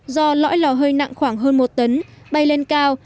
do lõi lò hơi nặng khoảng hơn một tấn bay lên cao